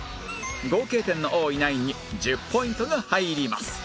合計点の多いナインに１０ポイントが入ります